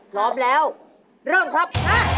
พร้อมแล้วเริ่มครับ